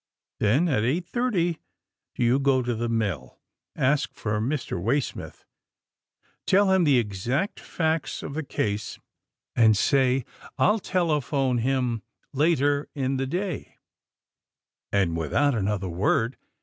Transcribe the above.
Then at eight thirty, do you go to the mill. Ask for Mr. Waysmith. Tell him the exact facts of the case, and say I'll telephone him later in the day," and, without another word.